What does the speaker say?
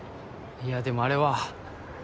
いやでもあれは。